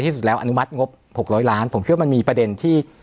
สุดแล้วอนุมัติงบ๖๐๐ล้านผมคิดว่ามันมีประเด็นที่